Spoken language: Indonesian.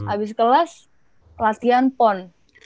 abis kelas latihan pon